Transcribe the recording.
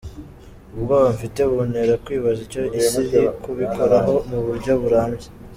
Ubwoba mfite buntera kwibaza icyo Isi iri kubikoraho mu buryo burambye.